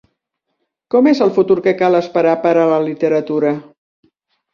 Com és el futur que cal esperar per a la literatura?